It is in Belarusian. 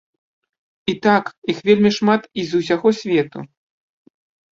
І так, іх вельмі шмат і з усяго свету.